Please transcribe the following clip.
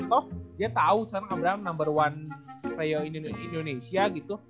toh dia tau sekarang abraham nomor satu rio indonesia